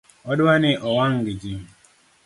Odwa ne owang gi jii